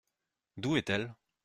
D’où est-elle ?